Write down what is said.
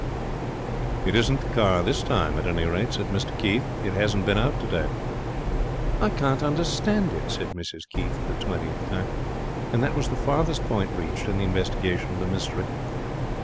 'It isn't the car this time, at any rate,' said Mr Keith. 'It hasn't been out today.' 'I can't understand it,' said Mrs Keith for the twentieth time. And that was the farthest point reached in the investigation of the mystery.